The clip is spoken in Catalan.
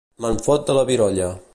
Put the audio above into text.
Me'n fot de la virolla.